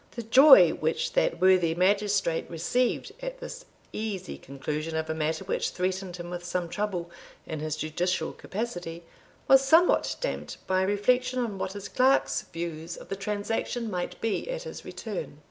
The joy which that worthy magistrate received at this easy conclusion of a matter which threatened him with some trouble in his judicial capacity, was somewhat damped by reflection on what his clerk's views of the transaction might be at his return.